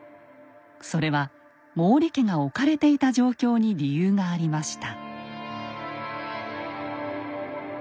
それは毛利家が置かれていた状況に理由がありました。